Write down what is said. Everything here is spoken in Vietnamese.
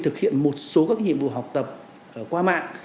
thực hiện một số các nhiệm vụ học tập qua mạng